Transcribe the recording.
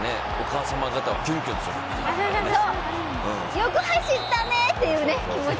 よく走ったねっていう気持ち。